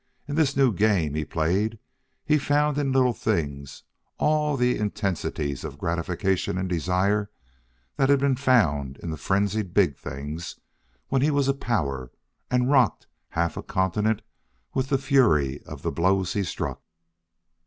In this new game he played he found in little things all the intensities of gratification and desire that he had found in the frenzied big things when he was a power and rocked half a continent with the fury of the blows he struck.